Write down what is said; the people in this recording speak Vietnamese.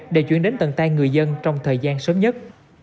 để chuyển đến tầng tay người dân trong thời gian sớm nhất